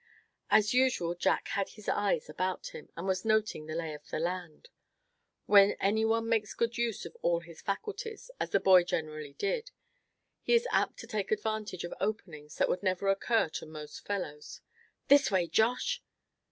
As usual Jack had his eyes about him, and was noting the lay of the land. When any one makes good use of all his faculties, as this boy generally did, he is apt to take advantage of openings that would never occur to most fellows. "This way, Josh!"